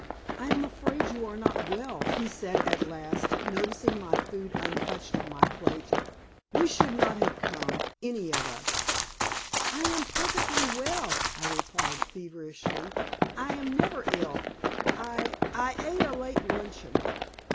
"I am afraid you are not well," he said at last, noticing my food untouched on my plate. "We should not have come, any of us." "I am perfectly well," I replied feverishly. "I am never ill. I I ate a late luncheon."